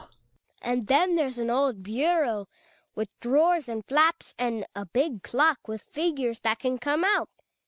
Aha ! Hedvig. And then there's an old bureau, with drawers and flaps, and a big clock with figures that can come out.